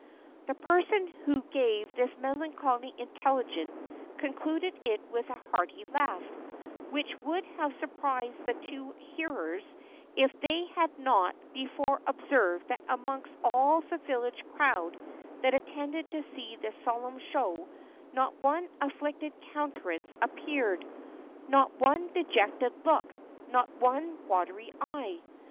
The person who gave this melancholy intelligence concluded it with a hearty laugh, which would have surprised the two hearers if they had not before observed that amongst all the village crowd that attended to see this solemn show not one afflicted countenance appeared, not one dejected look, not one watery eye.